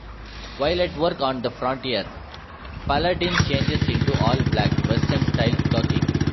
While at work on the frontier, Paladin changes into all-black western-style clothing.